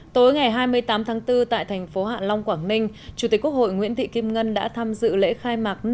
tối ngày hai mươi tám tháng bốn tại thành phố hạ long quảng ninh chủ tịch quốc hội nguyễn thị kim ngân đã tham dự lễ khai mạc